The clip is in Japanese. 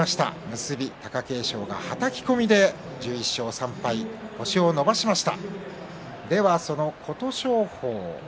結び、貴景勝、はたき込みで１１勝３敗と星を伸ばしました。